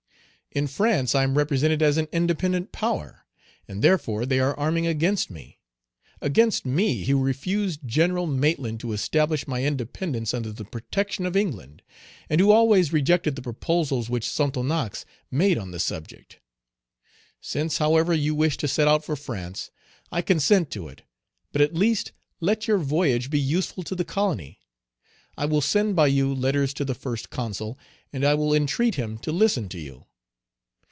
In France I am represented as an independent power, and therefore they are arming against me, against me, who refused General Maitland to establish my independence under the protection of England, and who always rejected the proposals which Sonthonax made on the subject. Since, however, you wish to set out for France, I consent to it; but, at least, let your voyage be useful to the colony. I will send by you letters to the First Consul, and I will intreat him to listen to you.